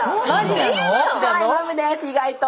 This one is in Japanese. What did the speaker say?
意外と。